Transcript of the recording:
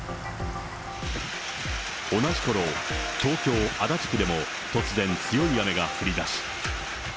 同じころ、東京・足立区でも突然、強い雨が降りだし。